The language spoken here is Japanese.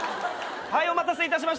・お待たせいたしました。